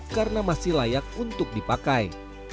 karena masih layak untuk dipakai